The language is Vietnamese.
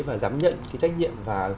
và dám nhận cái trách nhiệm và